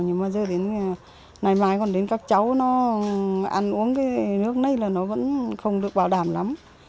nhưng mà giờ đến ngày mai còn đến các cháu nó ăn uống cái nước này là nó vẫn không được bảo đảm lắm